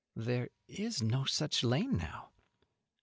"There is no such lane now."